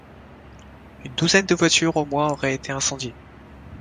Une douzaine de voitures au moins auraient été incendiées.